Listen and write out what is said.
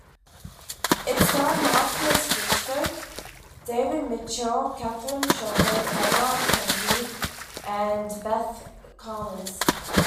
It starred Marcus Brigstocke, David Mitchell, Catherine Shepherd, Emma Kennedy and Beth Chalmers.